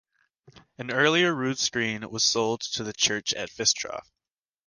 An earlier rood screen was sold to the church at Fishtoft.